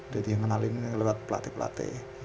jadi yang ngenalin lewat pelatih pelatih